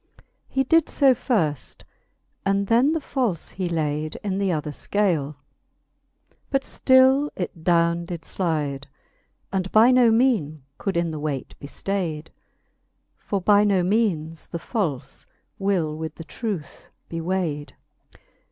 He did fo firft ; and then the falie he layd In th'other fcale ; but ftill it downe did Hide, And by no meanc could in the weight be ftayd. For by no meanes the falle will with the truth be wayd.